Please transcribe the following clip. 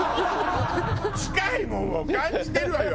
近いものを感じてるわよ